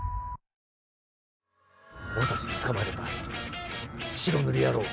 俺たちで捕まえるんだ白塗り野郎を。